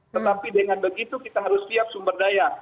tetapi dengan begitu kita harus siap sumber daya